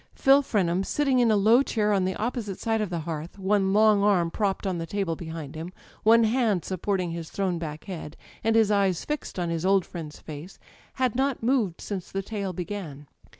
Phil Frenham, sitting in a low chair on the opposite side of the hearth> one long arm propped on the table behind him, one hand supporting his thrown back head, and his eyes fixed on his old friend's face, had not moved since the tale b^an.